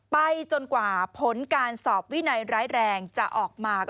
ไปจนกว่าสอบวินัยร้ายแรงจะออกมา